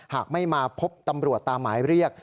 หากไม่มาพบตำรวจตามหมายเรียก